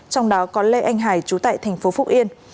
trong đó có lê anh hải trú tại tp phúc yên